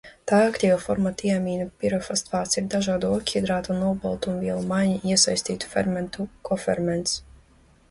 Tā aktīvā forma tiamīna pirofosfāts ir dažādu ogļhidrātu un olbaltumvielu maiņā iesaistītu fermentu koferments.